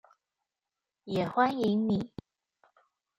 也歡迎你